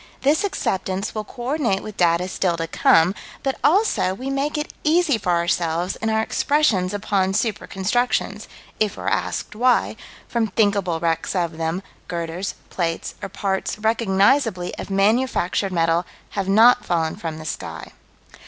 This acceptance will co ordinate with data still to come, but, also, we make it easy for ourselves in our expressions upon super constructions, if we're asked why, from thinkable wrecks of them, girders, plates, or parts recognizably of manufactured metal have not fallen from the sky.